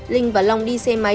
linh và long đi xe máy